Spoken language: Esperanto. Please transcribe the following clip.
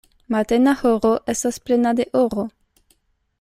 Matena horo estas plena de oro.